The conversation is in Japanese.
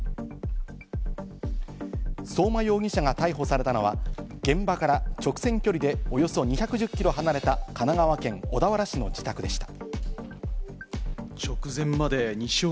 相馬容疑者が逮捕されたのは現場から直線距離でおよそ２１０キロ離れた、神奈川県小田原市の自宅でした。